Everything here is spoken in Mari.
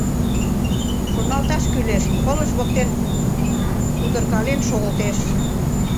— Шоналташ кӱлеш... — пылыш воктен удыркален шогылтеш.